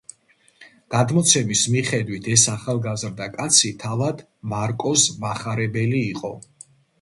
გადმოცემის მიხედვით, ეს ახალგაზრდა კაცი თავად მარკოზ მახარებელი იყო.